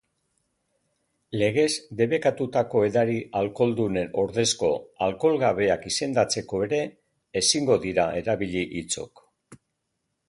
Legez debekatutako edari alkoholdunen ordezko alkoholgabeak izendatzeko ere ezingo dira erabili hitzok.